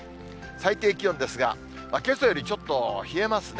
最低気温ですが、けさよりちょっと冷えますね。